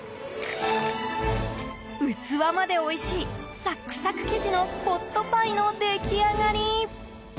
器までおいしいサクサク生地のポットパイの出来上がり。